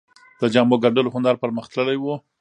د جامو ګنډلو هنر پرمختللی و